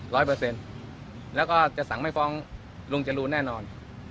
ร้อยเปอร์เซ็นต์แล้วก็จะสั่งให้ฟองลุงจะรู้แน่นอน